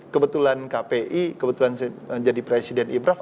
kebetulan kpi kebetulan menjadi presiden ibraf